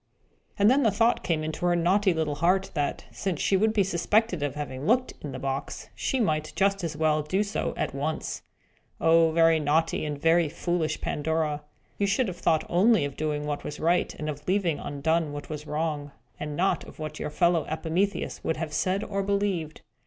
And then the thought came into her naughty little heart, that, since she would be suspected of having looked into the box, she might just as well do so at once. Oh, very naughty and very foolish Pandora! You should have thought only of doing what was right, and of leaving undone what was wrong, and not of what your playfellow Epimetheus would have said or believed.